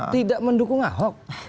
tidak mendukung ahok